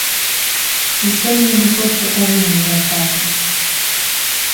І сёння мы проста павінны вяртаць іх.